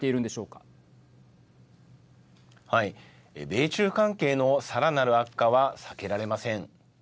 米中関係のさらなる悪化は避けられません。